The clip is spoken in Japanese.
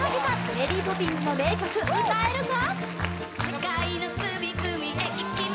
「メリー・ポピンズ」の名曲歌えるか？